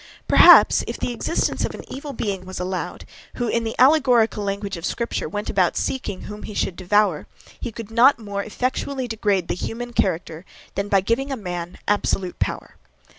Perhaps, if the existence of an evil being was allowed, who, in the allegorical language of scripture, went about seeking whom he should devour, he could not more effectually degrade the human character than by giving a man absolute power.